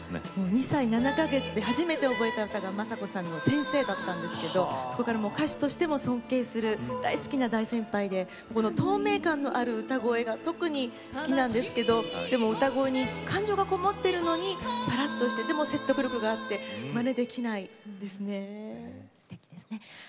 ２歳７か月で初めて歌を覚えたのが森昌子さんの「せんせい」だったんですけどそこから歌手としても尊敬する大先輩で透明感のある歌声が特に好きなんですけど歌声に感情がこもっているのにさらっとして、でも説得力があって、まねができないですね。